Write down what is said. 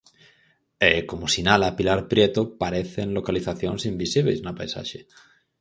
E, como sinala Pilar Prieto, parecen localizacións invisíbeis na paisaxe.